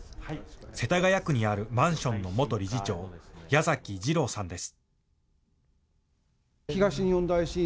世田谷区にあるマンションの元理事長、矢崎次郎さんです。